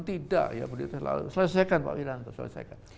tidak ya berarti selesaikan pak wilanto selesaikan